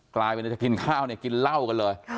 กลายเป็นจะกินข้าวเนี่ยกินเหล้ากันเลย